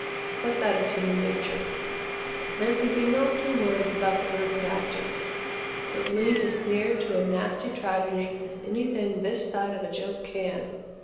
But that is human nature. There could be no two words about The Worm's acting. It leaned as near to a nasty tragedy as anything this side of a joke can.